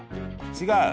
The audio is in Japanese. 違う？